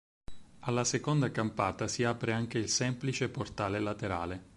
Alla seconda campata si apre anche il semplice portale laterale.